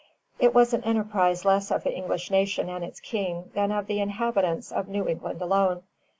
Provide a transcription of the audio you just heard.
"It was an enterprise less of the English nation and its King than of the inhabitants of New England alone.